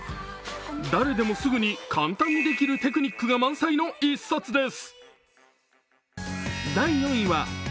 誰でもすぐに簡単にできるテクニックが満載の１冊です。